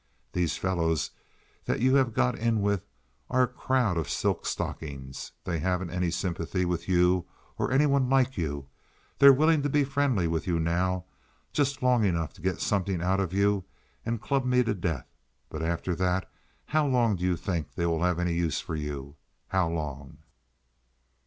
These fellows that you have got in with are a crowd of silk stockings. They haven't any sympathy with you or any one like you. They're willing to be friendly with you now—just long enough to get something out of you and club me to death. But after that how long do you think they will have any use for you—how long?"